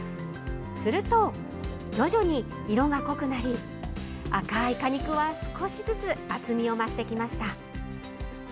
すると、徐々に色が濃くなり、赤い果肉は少しずつ厚みを増してきました。